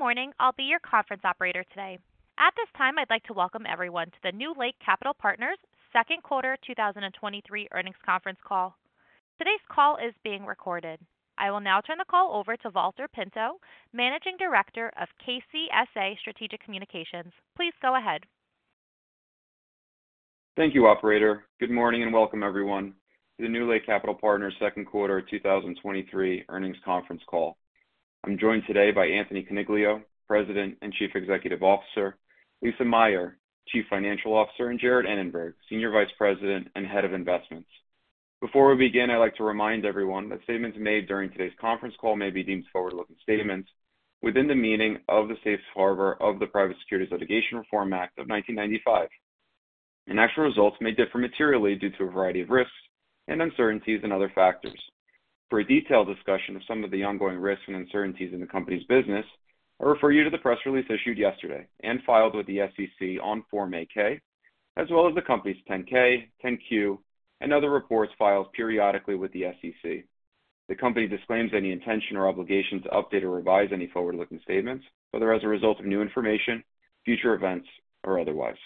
Good morning. I'll be your conference operator today. At this time, I'd like to welcome everyone to the NewLake Capital Partners second quarter 2023 earnings conference call. Today's call is being recorded. I will now turn the call over to Valter Pinto, Managing Director of KCSA Strategic Communications. Please go ahead. Thank you, operator. Good morning, welcome everyone to the NewLake Capital Partners second quarter 2023 earnings conference call. I'm joined today by Anthony Coniglio, President and Chief Executive Officer; Lisa Meyer, Chief Financial Officer; and Jared Anenberg, Senior Vice President and Head of Investments. Before we begin, I'd like to remind everyone that statements made during today's conference call may be deemed forward-looking statements within the meaning of the safe harbor of the Private Securities Litigation Reform Act of 1995, and actual results may differ materially due to a variety of risks and uncertainties and other factors. For a detailed discussion of some of the ongoing risks and uncertainties in the company's business, I refer you to the press release issued yesterday and filed with the SEC on Form eight-K, as well as the company's Form 10-K, Form 10-Q, and other reports filed periodically with the SEC. The company disclaims any intention or obligation to update or revise any forward-looking statements, whether as a result of new information, future events, or otherwise.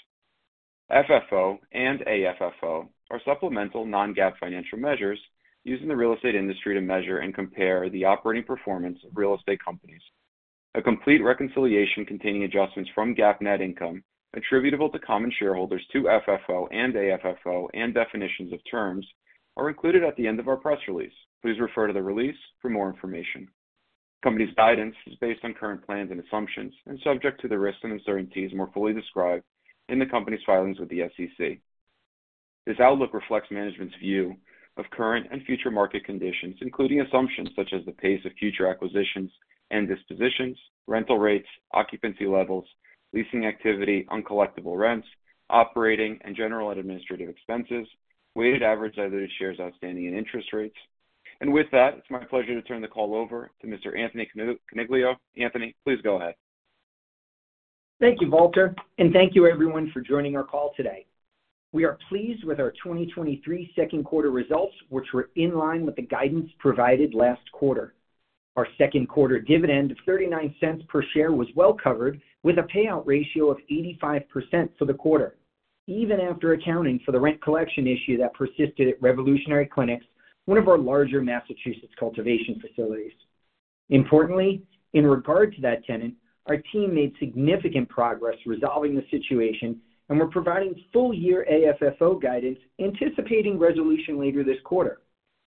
FFO and AFFO are supplemental non-GAAP financial measures used in the real estate industry to measure and compare the operating performance of real estate companies. A complete reconciliation containing adjustments from GAAP net income attributable to common shareholders to FFO and AFFO and definitions of terms are included at the end of our press release. Please refer to the release for more information. Company's guidance is based on current plans and assumptions and subject to the risks and uncertainties more fully described in the company's filings with the SEC. This outlook reflects management's view of current and future market conditions, including assumptions such as the pace of future acquisitions and dispositions, rental rates, occupancy levels, leasing activity, uncollectible rents, operating and general and administrative expenses, weighted average diluted shares outstanding, and interest rates. With that, it's my pleasure to turn the call over to Mr. Anthony Coniglio. Anthony, please go ahead. Thank you, Valter. Thank you everyone for joining our call today. We are pleased with our 2023 second quarter results, which were in line with the guidance provided last quarter. Our second quarter dividend of $0.39 per share was well covered, with a payout ratio of 85% for the quarter, even after accounting for the rent collection issue that persisted at Revolutionary Clinics, one of our larger Massachusetts cultivation facilities. Importantly, in regard to that tenant, our team made significant progress resolving the situation. We're providing full-year AFFO guidance, anticipating resolution later this quarter.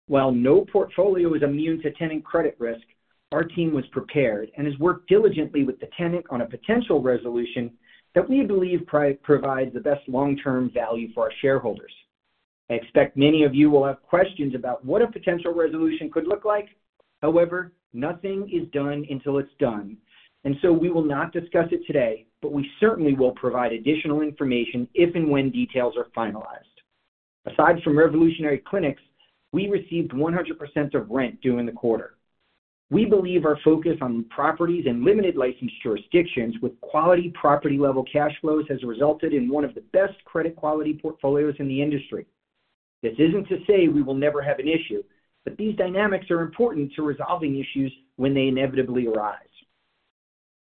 While no portfolio is immune to tenant credit risk, our team was prepared and has worked diligently with the tenant on a potential resolution that we believe provides the best long-term value for our shareholders. I expect many of you will have questions about what a potential resolution could look like. However, nothing is done until it's done, and so we will not discuss it today, but we certainly will provide additional information if and when details are finalized. Aside from Revolutionary Clinics, we received 100% of rent due in the quarter. We believe our focus on properties and limited license jurisdictions with quality property-level cash flows has resulted in one of the best credit quality portfolios in the industry. This isn't to say we will never have an issue, but these dynamics are important to resolving issues when they inevitably arise.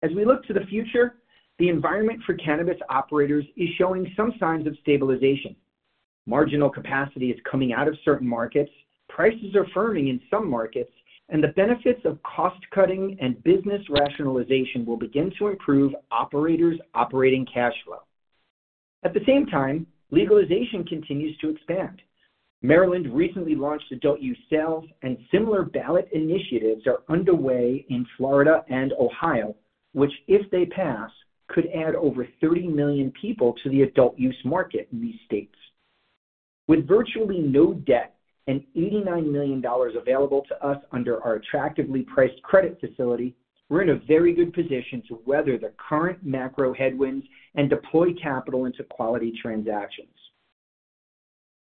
As we look to the future, the environment for cannabis operators is showing some signs of stabilization. Marginal capacity is coming out of certain markets, prices are firming in some markets, the benefits of cost-cutting and business rationalization will begin to improve operators' operating cash flow. At the same time, legalization continues to expand. Maryland recently launched adult-use sales, similar ballot initiatives are underway in Florida and Ohio, which, if they pass, could add over 30 million people to the adult-use market in these states. With virtually no debt and $89 million available to us under our attractively priced credit facility, we're in a very good position to weather the current macro headwinds and deploy capital into quality transactions.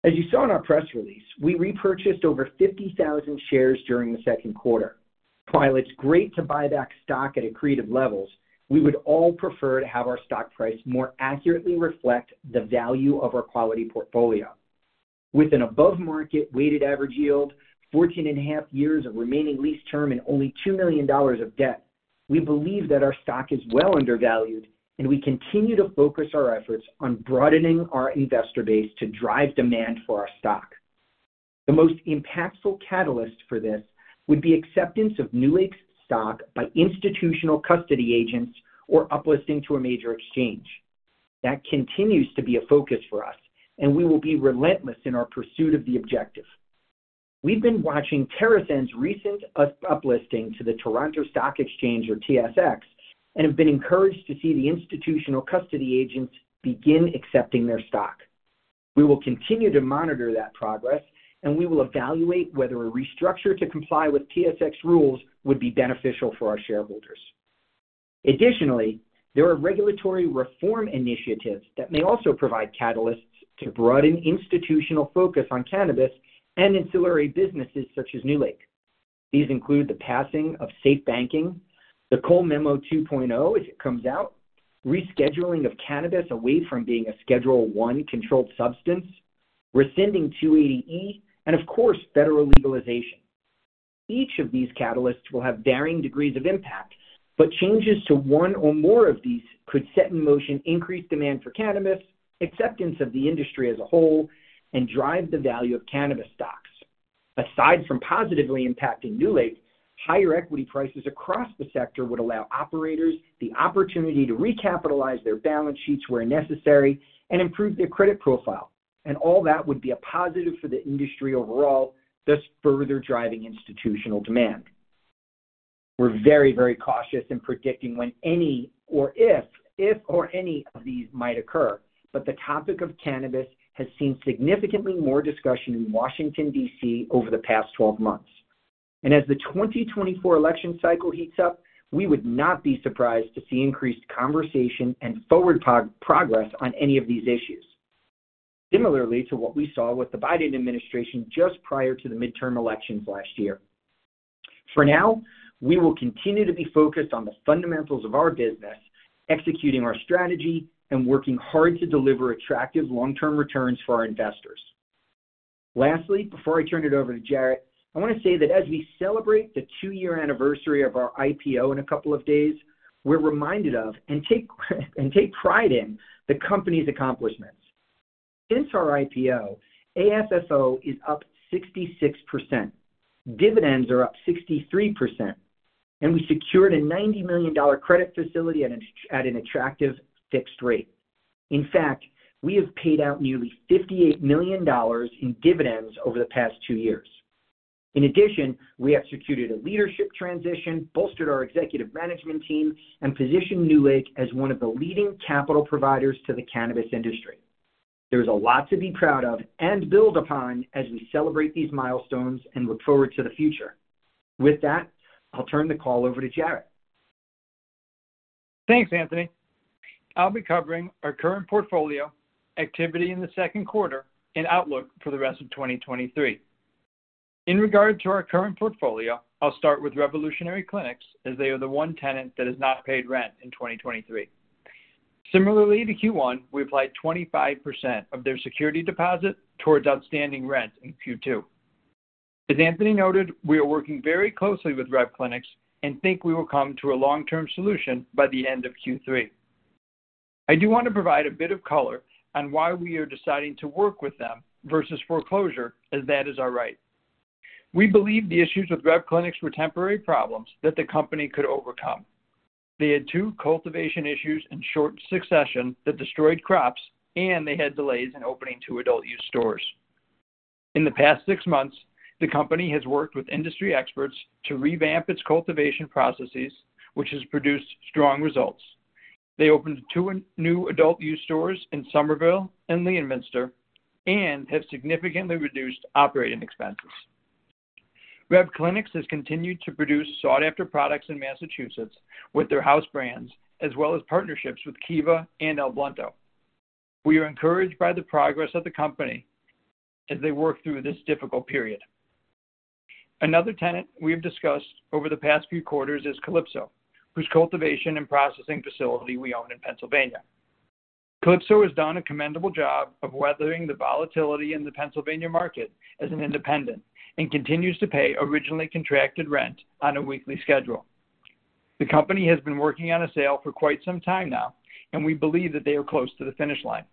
As you saw in our press release, we repurchased over 50,000 shares during the second quarter. While it's great to buy back stock at accretive levels, we would all prefer to have our stock price more accurately reflect the value of our quality portfolio. With an above-market weighted average yield, 14.5 years of remaining lease term, and only $2 million of debt, we believe that our stock is well undervalued, and we continue to focus our efforts on broadening our investor base to drive demand for our stock. The most impactful catalyst for this would be acceptance of NewLake's stock by institutional custody agents or uplisting to a major exchange. That continues to be a focus for us, and we will be relentless in our pursuit of the objective. We've been watching TerrAscend's recent uplisting to the Toronto Stock Exchange, or TSX, and have been encouraged to see the institutional custody agents begin accepting their stock. We will continue to monitor that progress, and we will evaluate whether a restructure to comply with TSX rules would be beneficial for our shareholders. Additionally, there are regulatory reform initiatives that may also provide catalysts to broaden institutional focus on cannabis and ancillary businesses such as NewLake. These include the passing of SAFE Banking, the Cole Memo 2.0, if it comes out, rescheduling of cannabis away from being a Schedule I controlled substance. Rescinding 280E, and of course, federal legalization. Each of these catalysts will have varying degrees of impact, but changes to one or more of these could set in motion increased demand for cannabis, acceptance of the industry as a whole, and drive the value of cannabis stocks. Aside from positively impacting NewLake, higher equity prices across the sector would allow operators the opportunity to recapitalize their balance sheets where necessary and improve their credit profile. All that would be a positive for the industry overall, thus further driving institutional demand. We're very, very cautious in predicting when any, or if, if or any of these might occur, but the topic of cannabis has seen significantly more discussion in Washington, DC, over the past 12 months. As the 2024 election cycle heats up, we would not be surprised to see increased conversation and forward progress on any of these issues. Similarly to what we saw with the Biden administration just prior to the midterm elections last year. For now, we will continue to be focused on the fundamentals of our business, executing our strategy and working hard to deliver attractive long-term returns for our investors. Lastly, before I turn it over to Jarrett, I want to say that as we celebrate the 2-year anniversary of our IPO in a couple of days, we're reminded of and take, and take pride in the company's accomplishments. Since our IPO, AFFO is up 66%, dividends are up 63%, we secured a $90 million credit facility at an attractive fixed rate. In fact, we have paid out nearly $58 million in dividends over the past 2 years. In addition, we executed a leadership transition, bolstered our executive management team, and positioned NewLake as one of the leading capital providers to the cannabis industry. There's a lot to be proud of and build upon as we celebrate these milestones and look forward to the future. With that, I'll turn the call over to Jarrett. Thanks, Anthony. I'll be covering our current portfolio, activity in the second quarter, and outlook for the rest of 2023. In regard to our current portfolio, I'll start with Revolutionary Clinics, as they are the one tenant that has not paid rent in 2023. Similarly to Q1, we applied 25% of their security deposit towards outstanding rent in Q2. As Anthony noted, we are working very closely with Rev Clinics and think we will come to a long-term solution by the end of Q3. I do want to provide a bit of color on why we are deciding to work with them versus foreclosure, as that is our right. We believe the issues with Rev Clinics were temporary problems that the company could overcome. They had 2 cultivation issues in short succession that destroyed crops, and they had delays in opening 2 adult use stores. In the past six months, the company has worked with industry experts to revamp its cultivation processes, which has produced strong results. They opened two new adult use stores in Somerville and Leominster and have significantly reduced operating expenses. Rev Clinics has continued to produce sought-after products in Massachusetts with their house brands, as well as partnerships with Kiva and El Blunto. We are encouraged by the progress of the company as they work through this difficult period. Another tenant we have discussed over the past few quarters is Calypso, whose cultivation and processing facility we own in Pennsylvania. Calypso has done a commendable job of weathering the volatility in the Pennsylvania market as an independent and continues to pay originally contracted rent on a weekly schedule. The company has been working on a sale for quite some time now. We believe that they are close to the finish line.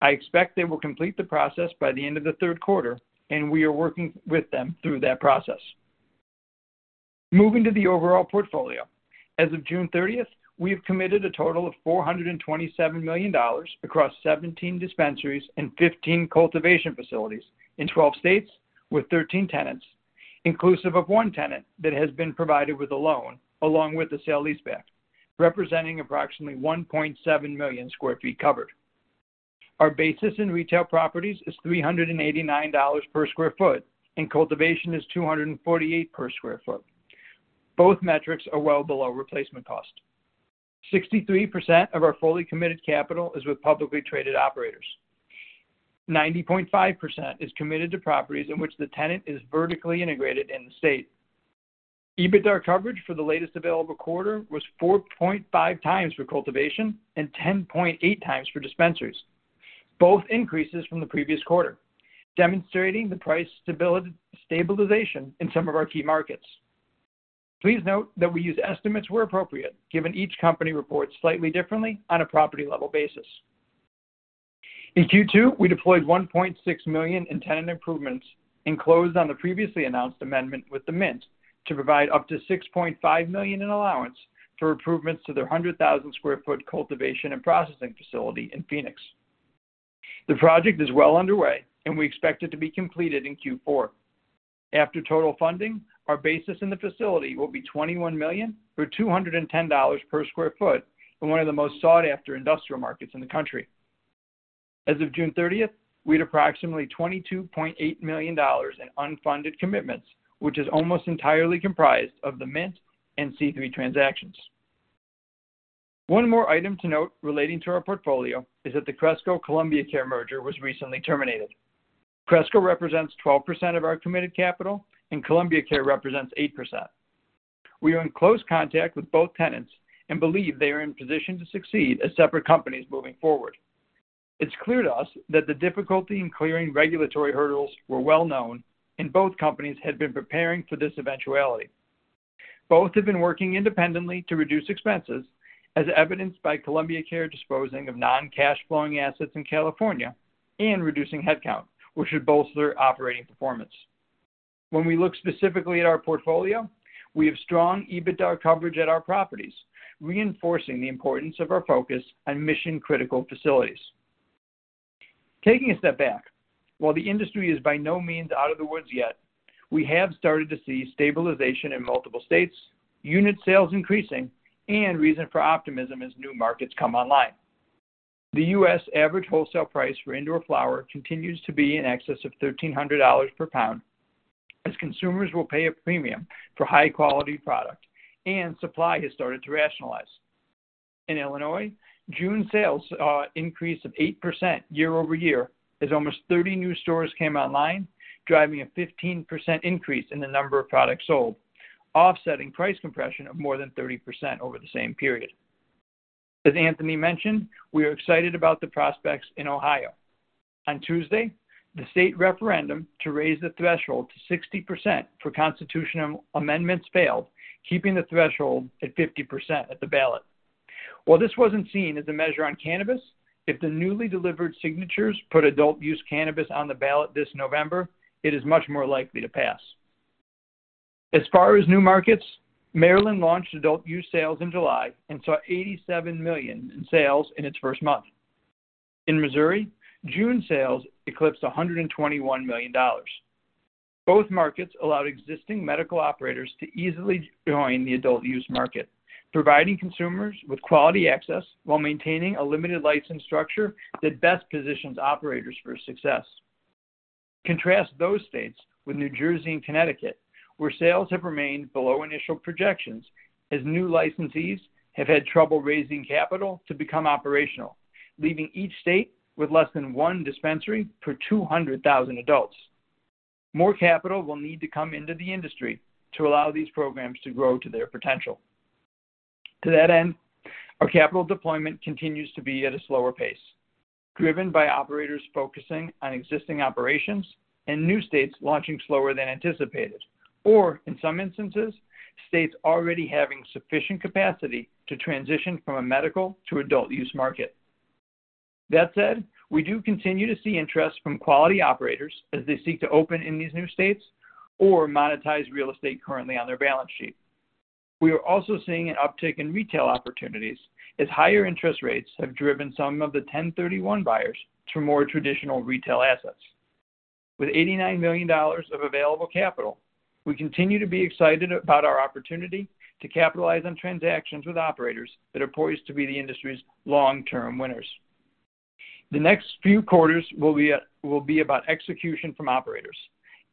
I expect they will complete the process by the end of the 3rd quarter. We are working with them through that process. Moving to the overall portfolio. As of June 30th, we have committed a total of $427 million across 17 dispensaries and 15 cultivation facilities in 12 states with 13 tenants, inclusive of one tenant that has been provided with a loan, along with the sale-leaseback, representing approximately 1.7 million sq ft covered. Our basis in retail properties is $389 per sq ft, and cultivation is $248 per sq ft. Both metrics are well below replacement cost. 63% of our fully committed capital is with publicly traded operators. 90.5% is committed to properties in which the tenant is vertically integrated in the state. EBITDA coverage for the latest available quarter was 4.5x for cultivation and 10.8x for dispensaries, both increases from the previous quarter, demonstrating the price stabilization in some of our key markets. Please note that we use estimates where appropriate, given each company reports slightly differently on a property level basis. In Q2, we deployed $1.6 million in tenant improvements and closed on the previously announced amendment with The Mint to provide up to $6.5 million in allowance for improvements to their 100,000 sq ft cultivation and processing facility in Phoenix. The project is well underway, and we expect it to be completed in Q4. After total funding, our basis in the facility will be $21 million, or $210 per sq ft, in one of the most sought-after industrial markets in the country. As of June 30th, we had approximately $22.8 million in unfunded commitments, which is almost entirely comprised of The Mint and C3 transactions. One more item to note relating to our portfolio is that the Cresco Columbia Care merger was recently terminated. Cresco represents 12% of our committed capital, and Columbia Care represents 8%. We are in close contact with both tenants and believe they are in position to succeed as separate companies moving forward. It's clear to us that the difficulty in clearing regulatory hurdles were well known, and both companies had been preparing for this eventuality. Both have been working independently to reduce expenses, as evidenced by Columbia Care disposing of non-cash flowing assets in California and reducing headcount, which should bolster operating performance. When we look specifically at our portfolio, we have strong EBITDA coverage at our properties, reinforcing the importance of our focus on mission-critical facilities. Taking a step back, while the industry is by no means out of the woods yet, we have started to see stabilization in multiple states, unit sales increasing, and reason for optimism as new markets come online. The U.S. average wholesale price for indoor flower continues to be in excess of $1,300 per pound, as consumers will pay a premium for high-quality product and supply has started to rationalize. In Illinois, June sales increased of 8% year-over-year as almost 30 new stores came online, driving a 15% increase in the number of products sold, offsetting price compression of more than 30% over the same period. As Anthony mentioned, we are excited about the prospects in Ohio. On Tuesday, the state referendum to raise the threshold to 60% for constitutional amendments failed, keeping the threshold at 50% at the ballot. While this wasn't seen as a measure on cannabis, if the newly delivered signatures put adult-use cannabis on the ballot this November, it is much more likely to pass. As far as new markets, Maryland launched adult-use sales in July and saw $87 million in sales in its first month. In Missouri, June sales eclipsed $121 million. Both markets allowed existing medical operators to easily join the adult-use market, providing consumers with quality access while maintaining a limited license structure that best positions operators for success. Contrast those states with New Jersey and Connecticut, where sales have remained below initial projections, as new licensees have had trouble raising capital to become operational, leaving each state with less than 1 dispensary per 200,000 adults. More capital will need to come into the industry to allow these programs to grow to their potential. To that end, our capital deployment continues to be at a slower pace, driven by operators focusing on existing operations and new states launching slower than anticipated, or in some instances, states already having sufficient capacity to transition from a medical to adult use market. That said, we do continue to see interest from quality operators as they seek to open in these new states or monetize real estate currently on their balance sheet. We are also seeing an uptick in retail opportunities as higher interest rates have driven some of the 1031 exchange buyers to more traditional retail assets. With $89 million of available capital, we continue to be excited about our opportunity to capitalize on transactions with operators that are poised to be the industry's long-term winners. The next few quarters will be about execution from operators.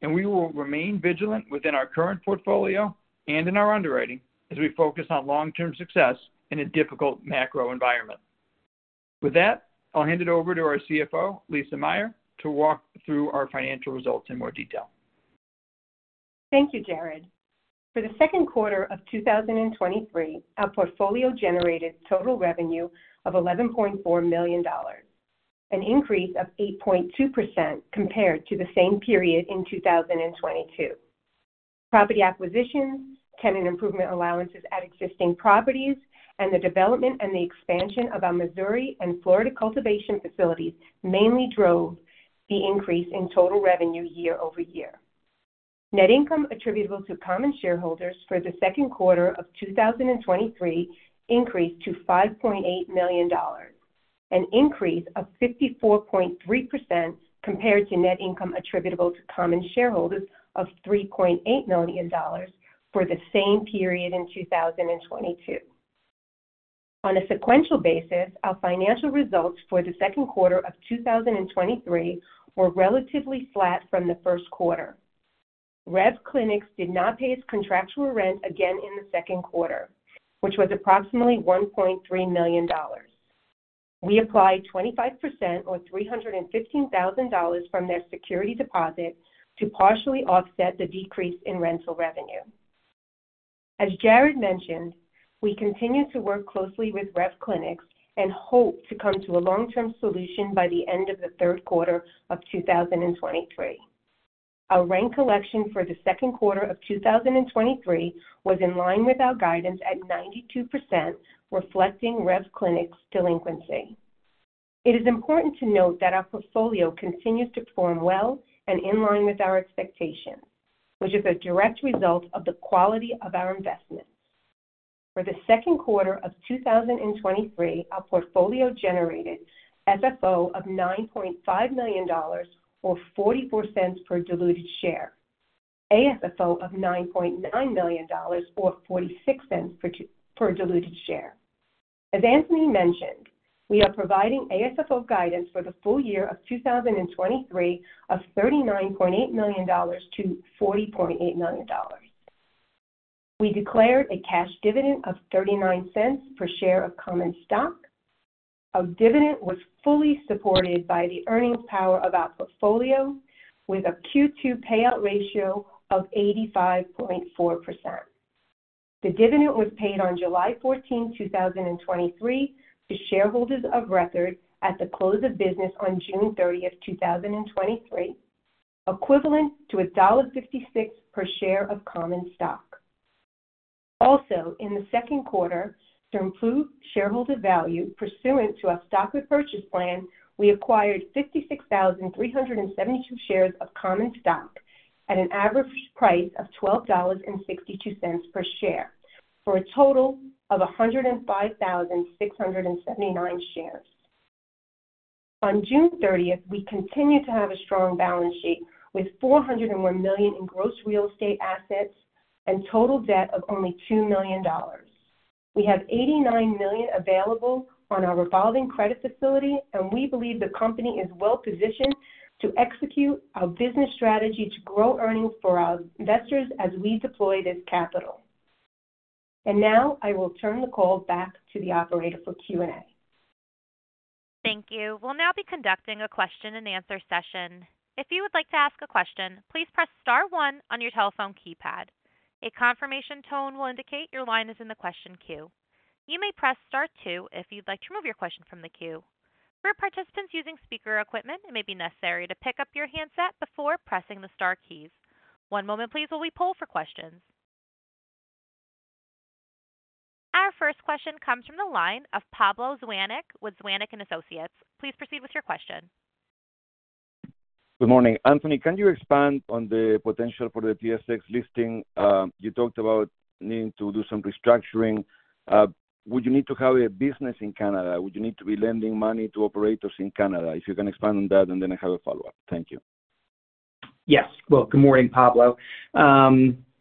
We will remain vigilant within our current portfolio and in our underwriting as we focus on long-term success in a difficult macro environment. With that, I'll hand it over to our CFO, Lisa Meyer, to walk through our financial results in more detail. Thank you, Jared. For the second quarter of 2023, our portfolio generated total revenue of $11.4 million, an increase of 8.2% compared to the same period in 2022. Property acquisitions, tenant improvement allowances at existing properties, and the development and the expansion of our Missouri and Florida cultivation facilities mainly drove the increase in total revenue year-over-year. Net income attributable to common shareholders for the second quarter of 2023 increased to $5.8 million, an increase of 54.3% compared to net income attributable to common shareholders of $3.8 million for the same period in 2022. On a sequential basis, our financial results for the second quarter of 2023 were relatively flat from the first quarter. Rev Clinics did not pay its contractual rent again in the second quarter, which was approximately $1.3 million. We applied 25%, or $315,000 from their security deposit, to partially offset the decrease in rental revenue. As Jared mentioned, we continue to work closely with Rev Clinics and hope to come to a long-term solution by the end of the third quarter of 2023. Our rent collection for the second quarter of 2023 was in line with our guidance at 92%, reflecting Rev Clinics delinquency. It is important to note that our portfolio continues to perform well and in line with our expectations, which is a direct result of the quality of our investments. For the second quarter of 2023, our portfolio generated FFO of $9.5 million, or $0.44 per diluted share. AFFO of $9.9 million, or $0.46 per diluted share. As Anthony mentioned, we are providing AFFO guidance for the full year of 2023 of $39.8 million-$40.8 million. We declared a cash dividend of $0.39 per share of common stock. Our dividend was fully supported by the earnings power of our portfolio, with a Q2 payout ratio of 85.4%. The dividend was paid on July 14, 2023, to shareholders of record at the close of business on June 30, 2023, equivalent to $1.56 per share of common stock. Also, in the second quarter, to improve shareholder value pursuant to our stock repurchase plan, we acquired 56,372 shares of common stock at an average price of $12.62 per share, for a total of 105,679 shares. On June 30th, we continued to have a strong balance sheet with $401 million in gross real estate assets and total debt of only $2 million. We have $89 million available on our revolving credit facility, and we believe the company is well positioned to execute our business strategy to grow earnings for our investors as we deploy this capital. Now I will turn the call back to the operator for Q&A. Thank you. We'll now be conducting a question and answer session. If you would like to ask a question, please press star one on your telephone keypad. A confirmation tone will indicate your line is in the question queue. You may press star two if you'd like to remove your question from the queue. For participants using speaker equipment, it may be necessary to pick up your handset before pressing the star keys. One moment, please, while we pull for questions. Our first question comes from the line of Pablo Zuanic with Zuanic & Associates. Please proceed with your question. Good morning. Anthony, can you expand on the potential for the TSX listing? You talked about needing to do some restructuring. Would you need to have a business in Canada? Would you need to be lending money to operators in Canada? If you can expand on that, and then I have a follow-up. Thank you. Yes. Well, good morning, Pablo.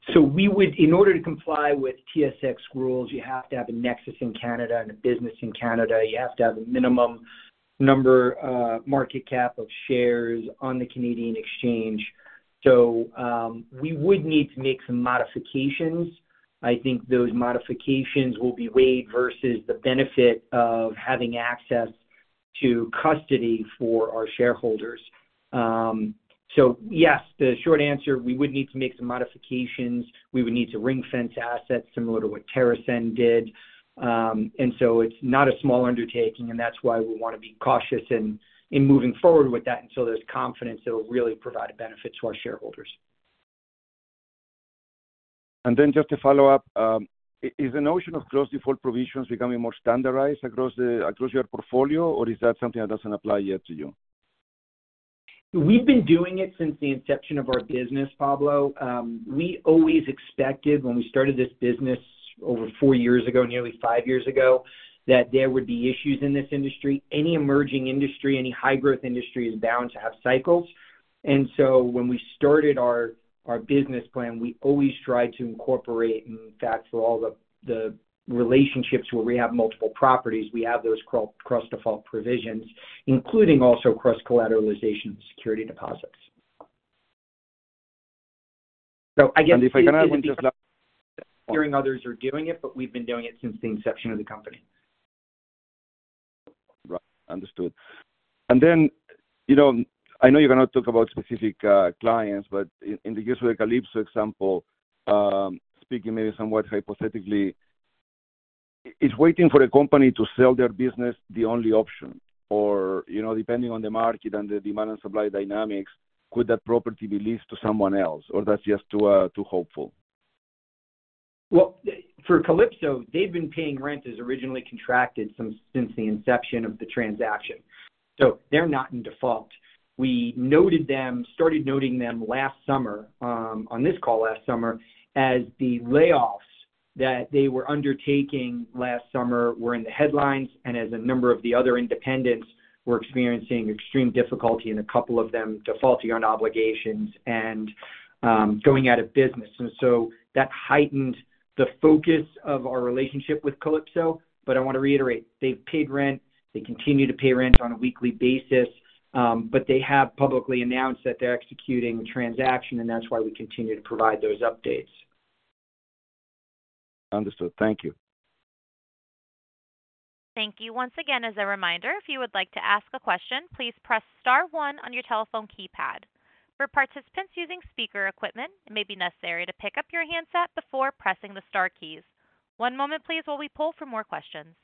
In order to comply with TSX rules, you have to have a nexus in Canada and a business in Canada. You have to have a minimum number, market cap of shares on the Canadian exchange. We would need to make some modifications. I think those modifications will be weighed versus the benefit of having access to custody for our shareholders. Yes, the short answer, we would need to make some modifications. We would need to ring-fence assets similar to what TerrAscend did. It's not a small undertaking, and that's why we want to be cautious in, in moving forward with that until there's confidence that it will really provide a benefit to our shareholders. Then just to follow up, is the notion of cross-default provisions becoming more standardized across the, across your portfolio, or is that something that doesn't apply yet to you? We've been doing it since the inception of our business, Pablo. We always expected when we started this business over four years ago, nearly five years ago, that there would be issues in this industry. Any emerging industry, any high growth industry, is bound to have cycles. When we started our, our business plan, we always tried to incorporate. In fact, all the, the relationships where we have multiple properties, we have those cross-default provisions, including also cross-collateralization security deposits. I guess- If I can. Hearing others are doing it. We've been doing it since the inception of the company. Right. Understood. You know, I know you cannot talk about specific clients, but in the case of the Calypso example, speaking maybe somewhat hypothetically, is waiting for a company to sell their business the only option? You know, depending on the market and the demand and supply dynamics, could that property be leased to someone else, or that's just too hopeful? For Calypso, they've been paying rent as originally contracted since the inception of the transaction, so they're not in default. We noted them, started noting them last summer, on this call last summer, as the layoffs that they were undertaking last summer were in the headlines, and as a number of the other independents were experiencing extreme difficulty and a couple of them defaulting on obligations and going out of business. That heightened the focus of our relationship with Calypso. I want to reiterate, they've paid rent. They continue to pay rent on a weekly basis, but they have publicly announced that they're executing a transaction, and that's why we continue to provide those updates. Understood. Thank you. Thank you once again. As a reminder, if you would like to ask a question, please press star one on your telephone keypad. For participants using speaker equipment, it may be necessary to pick up your handset before pressing the star keys. One moment, please, while we pull for more questions.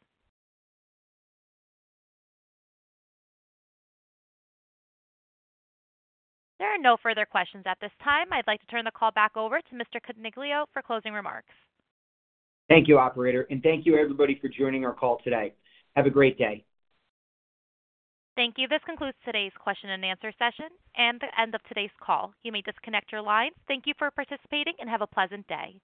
There are no further questions at this time. I'd like to turn the call back over to Mr. Coniglio for closing remarks. Thank you, operator, and thank you, everybody, for joining our call today. Have a great day. Thank you. This concludes today's question and answer session and the end of today's call. You may disconnect your lines. Thank you for participating and have a pleasant day.